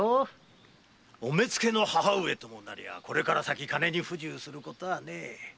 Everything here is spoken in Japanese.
お目付の母上ならこれから先金に不自由することはない。